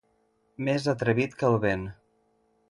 Més atrevit que el vent.